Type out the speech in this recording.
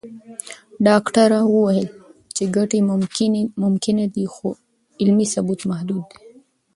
ډاکټره وویل چې ګټې ممکنه دي، خو علمي ثبوت محدود دی.